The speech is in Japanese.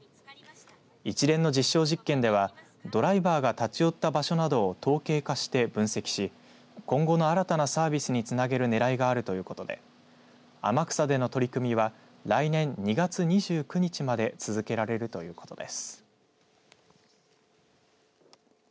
一連の実証実験ではドライバーが立ち寄った場所などを統計化して分析し今後の新たなサービスにつなげるねらいがあるということで天草での取り組みは来年２月２９日まで続けられるということです。